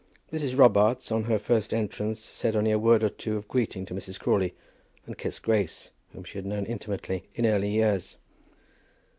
Mrs. Robarts, on her first entrance, said only a word or two of greeting to Mrs. Crawley, and kissed Grace, whom she had known intimately in early years.